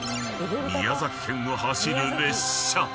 ［宮崎県を走る列車］